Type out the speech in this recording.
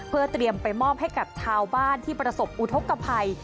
เพื่อเตรียมไปมอบให้กับชาวบ้านที่ประสบอุทธกภัย